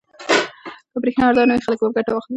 که برېښنا ارزانه وي خلک به ګټه واخلي.